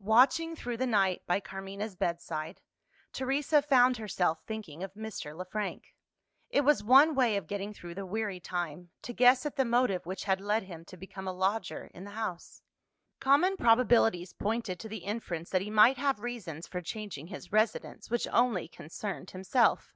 Watching through the night by Carmina's bedside, Teresa found herself thinking of Mr. Le Frank. It was one way of getting through the weary time, to guess at the motive which had led him to become a lodger in the house. Common probabilities pointed to the inference that he might have reasons for changing his residence, which only concerned himself.